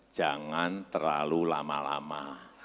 jangan terlalu lama lama